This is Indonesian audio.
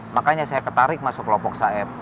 makanya saya ketarik masuk kelompok saif